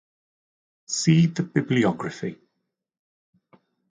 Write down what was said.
See the bibliography.